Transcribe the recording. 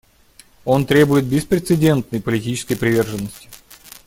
Он требует беспрецедентной политической приверженности.